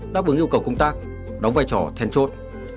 đáp ứng yêu cầu công tác đóng vai trò then chốt